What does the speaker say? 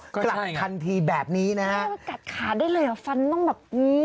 กลับทันทีแบบนี้นะครับ